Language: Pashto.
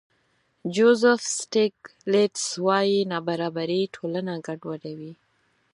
جوزف سټېګلېټز وايي نابرابري ټولنه ګډوډوي.